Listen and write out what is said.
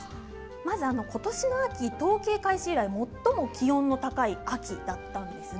まず今年の秋、統計開始以来最も気温の高い秋だったんですね。